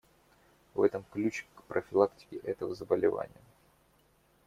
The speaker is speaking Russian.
В этом ключ к профилактике этого заболевания.